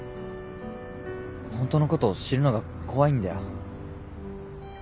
本当のことを知るのが怖いんだよ。